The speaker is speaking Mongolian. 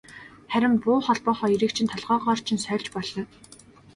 Харин буу холбоо хоёрыг чинь толгойгоор чинь сольж болно.